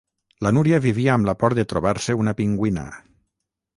La Núria vivia amb la por de trobar-se una pingüina.